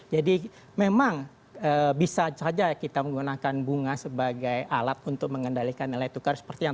jadi memang bisa saja kita menggunakan bunga sebagai alat untuk mengendalikan nilai tukar seperti ini